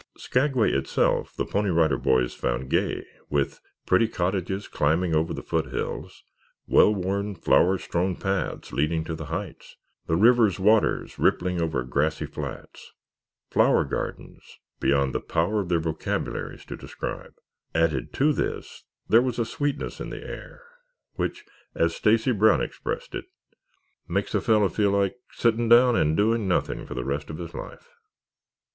Skagway itself the Pony Rider Boys found gay with pretty cottages climbing over the foot hills; well worn, flower strewn paths leading to the heights; the river's waters rippling over grassy flats; flower gardens beyond the power of their vocabularies to describe. Added to this, there was a sweetness in the air, which, as Stacy Brown expressed it, "makes a fellow feel like sitting down and doing nothing for the rest of his life."